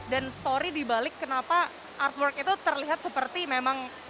dan cerita di balik kenapa karya seni terlihat seperti memang